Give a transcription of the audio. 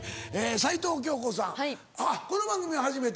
齊藤京子さんあっこの番組が初めて？